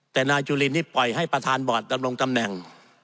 แต่นายจุลินนี่ปล่อยให้ประธานบอร์ดดำรงตำแหน่ง